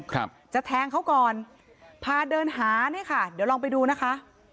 ครับจะแทงเขาก่อนพาเดินหาเนี่ยค่ะเดี๋ยวลองไปดูนะคะ